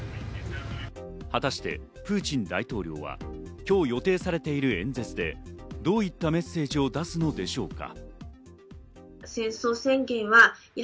果たしてプーチン大統領は今日予定されている演説でどういったメッセージを出すのでしょうか。